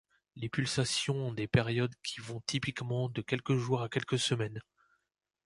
Les pulsations ont des périodes qui vont typiquement de quelques jours à quelques semaines.